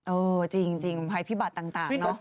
เออจริงภัยพิบัติต่างเนอะ